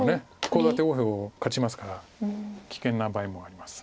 コウ立て多い方勝ちますから危険な場合もあります。